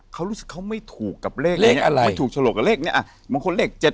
เขารู้สึกมันไม่ถูกเฉลี่ยความเทรดภัพธุ